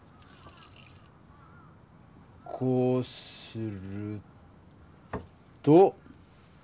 こうすると。